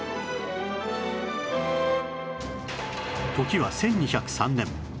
時は１２０３年